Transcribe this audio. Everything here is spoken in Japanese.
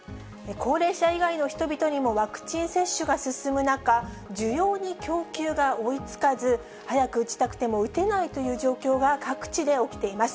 高齢者以外の人々にもワクチン接種が進む中、需要に供給が追いつかず、早く打ちたくても打てないという状況が各地で起きています。